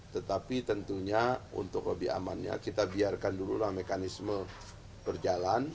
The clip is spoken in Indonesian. tetapi tentunya untuk lebih amannya kita biarkan dululah mekanisme berjalan